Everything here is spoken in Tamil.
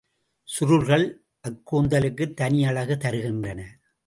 சுருள்கள் அக்கூந்தலுக்குத் தனியழகு தருகின்றன.